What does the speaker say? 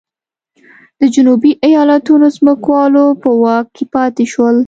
د جنوبي ایالتونو ځمکوالو په واک کې پاتې شول.